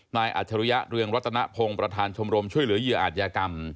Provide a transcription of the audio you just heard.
อัจฉริยะเรืองรัตนพงศ์ประธานชมรมช่วยเหลือเหยื่ออาจยากรรม